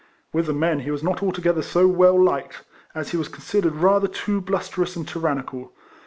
With the men he was not altogether so well liked, as he was considered rather too blusterous and tyrannical.